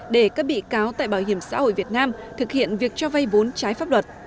để các bị cáo tại bảo hiểm xã hội việt nam thực hiện việc cho vay vốn trái pháp luật